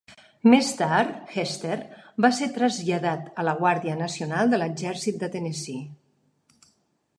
Més tard, Hester va ser traslladat a la Guàrdia Nacional de l'Exèrcit de Tennessee.